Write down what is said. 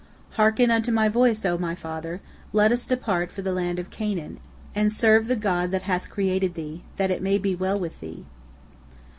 Hearken unto my voice, O my father, let us depart for the land of Canaan, and serve the God that hath created thee, that it may be well with thee."